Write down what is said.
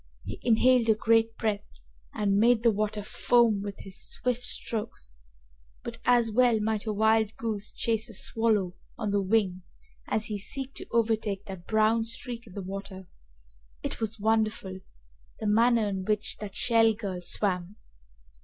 He inhaled a great breath and made the water foam with his swift strokes, but as well might a wild goose chase a swallow on the wing as he seek to overtake that brown streak on the water. It was wonderful, the manner in which that Shell girl swam!